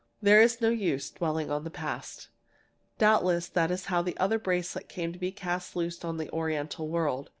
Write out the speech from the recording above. There is no use dwelling on the past. "Doubtless that is how the other bracelet came to be cast loose on the Oriental world.